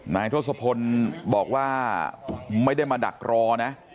ทศพลบอกว่าไม่ได้มาดักรอนะ